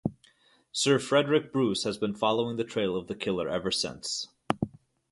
Sir Frederic Bruce has been following the trail of the killer ever since.